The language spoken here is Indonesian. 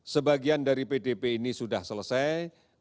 sebagian dari pdp ini sudah selesai